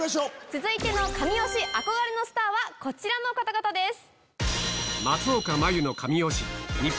続いての神推し憧れのスターはこちらの方々です。